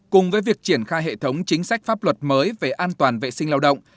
cùng với việc triển khai hệ thống chính sách pháp luật mới về an toàn vệ sinh lao động